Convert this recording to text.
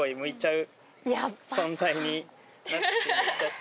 存在になっていっちゃって。